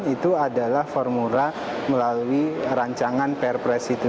itu adalah formula melalui rancangan perpres itu